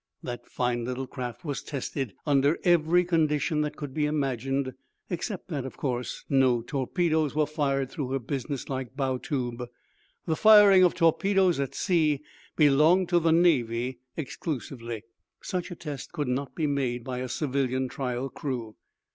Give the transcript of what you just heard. That fine little craft was tested under every condition that could be imagined, except that, of course, no torpedoes were fired through her business like bow tube. The firing of torpedoes at sea belonged to the Navy exclusively. Such a test could not be made by a civilian trial crew.